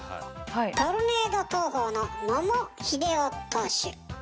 トルネード投法の野茂英雄投手。